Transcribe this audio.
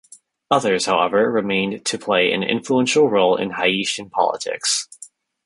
Others, however, remained to play an influential role in Haitian politics.